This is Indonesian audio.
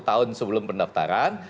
satu tahun sebelum pendaftaran